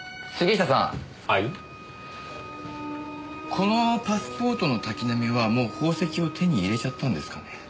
このパスポートの滝浪はもう宝石を手に入れちゃったんですかね？